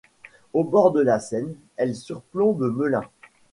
Au bord de la Seine, il surplombe Melun.